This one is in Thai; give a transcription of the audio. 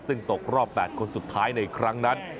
ซึ่งตกรอบ๘คนสุดท้ายในครั้งนั้น